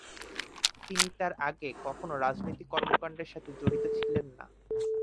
তিনি তার আগে কখনও রাজনৈতিক কর্মকাণ্ডের সাথে জড়িত ছিলেন না।